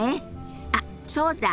あっそうだ！